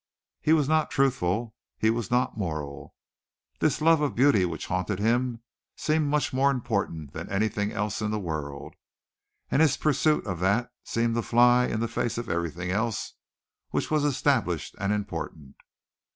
He was not truthful. He was not moral. This love of beauty which haunted him seemed much more important than anything else in the world, and his pursuit of that seemed to fly in the face of everything else which was established and important.